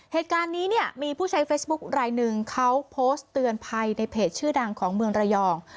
เหตุการณ์นี้เนี่ยมีผู้ใช้เฟซบุ๊คลายหนึ่งเขาโพสต์เตือนภัยในเพจชื่อดังของเมืองระยอง